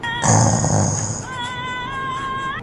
تاريخ پوهان په دې باور دي چي د تېرو پېښو لوستل اړين دي.